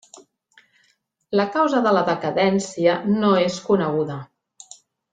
La causa de la decadència no és coneguda.